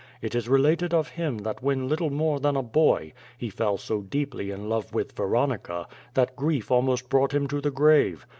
It is related of him that when little more than a boy, he fell so deeply in love with Veronica, that grief almost brought him to the grave.